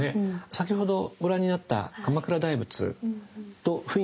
先ほどご覧になった鎌倉大仏と雰囲気が随分違いますよね。